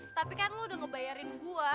tapi kan lu udah ngebayarin gua